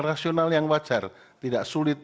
rasional yang wajar tidak sulit